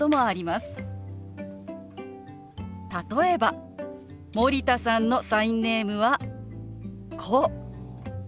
例えば森田さんのサインネームはこう。